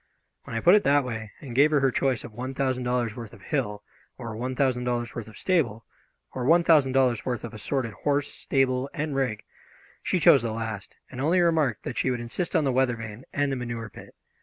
When I put it that way, and gave her her choice of one thousand dollars' worth of hill, or one thousand dollars' worth of stable, or one thousand dollars' worth of assorted horse, stable, and rig, she chose the last, and only remarked that she would insist on the weather vane and the manure pit.